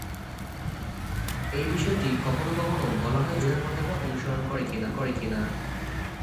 এই বিষয়টি কখনও কখনও বলা হয় যে সংবিধান পতাকা অনুসরণ করে কি না।